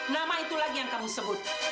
nama itu lagi yang kamu sebut